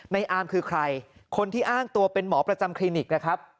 อามคือใครคนที่อ้างตัวเป็นหมอประจำคลินิกนะครับ